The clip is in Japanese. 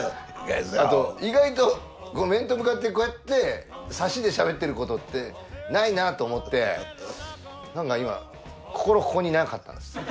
あと意外と面と向かってこうやってサシでしゃべってることってないなと思ってなんか今心ここになかったんです。